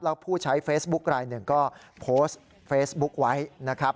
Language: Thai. แล้วผู้ใช้เฟซบุ๊คลายหนึ่งก็โพสต์เฟซบุ๊คไว้นะครับ